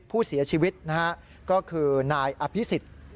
ผู้เสียชีวิตนะฮะก็คือนายอภิษฎ